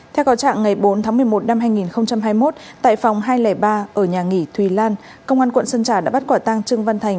theo có trạng ngày bốn tháng một mươi một năm hai nghìn hai mươi một tại phòng hai trăm linh ba ở nhà nghỉ thùy lan công an quận sơn trà đã bắt quả tăng trương văn thành